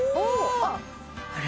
あっあれ？